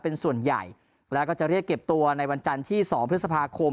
เป็นส่วนใหญ่แล้วก็จะเรียกเก็บตัวในวันจันทร์ที่๒พฤษภาคม